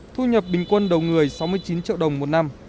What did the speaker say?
thu nhập bình quân đầu người sáu mươi chín triệu đồng một năm